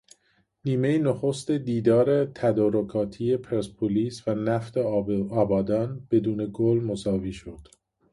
نیمه نخست دیدار تدارکاتی پرسپولیس و نفت آبادان بدون گل مساوی شد